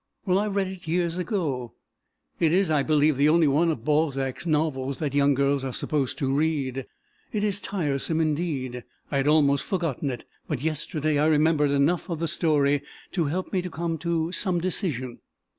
"Well, I read it years ago. It is, I believe, the only one of Balzac's novels that young girls are supposed to read. It is tiresome indeed; I had almost forgotten it, but yesterday I remembered enough of the story to help me to come to some decision.